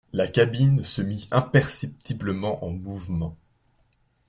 La cabine se mit imperceptiblement en mouvement